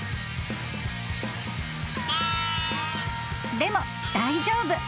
［でも大丈夫］